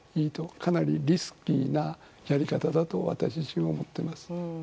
かなりリスキーなやり方だと私自身は思っています。